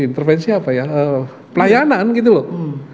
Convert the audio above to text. intervensi apa ya pelayanan gitu loh